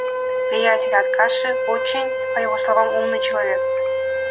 Приятель Аркаши, очень, по его словам, умный человек.